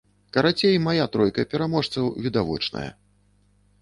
Карацей, мая тройка пераможцаў відавочная.